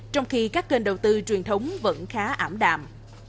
trong khi các kênh đầu tư truyền thống vẫn khá ảm đạm